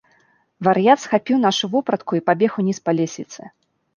Вар'ят схапіў нашу вопратку і пабег уніз па лесвіцы.